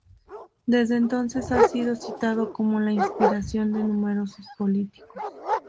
Desde entonces ha sido citado como la inspiración de numerosos políticos.